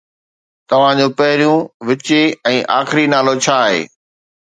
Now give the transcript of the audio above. توهان جو پهريون، وچين ۽ آخري نالو ڇا آهي؟